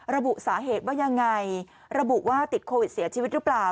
ระบุสาเหตุว่ายังไงระบุว่าติดโควิดเสียชีวิตหรือเปล่า